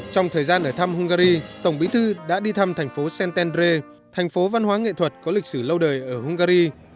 trong thời gian ở thăm hungary tổng bí thư đã đi thăm thành phố santendre thành phố văn hóa nghệ thuật có lịch sử lâu đời ở hungary